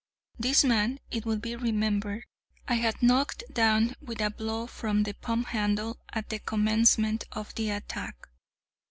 This man, it will be remembered, I had knocked down with a blow from the pump handle at the commencement of the attack.